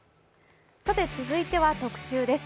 続いては特集です。